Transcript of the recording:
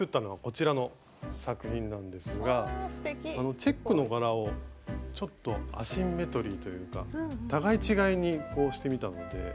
チェックの柄をちょっとアシンメトリーというか互い違いにこうしてみたので。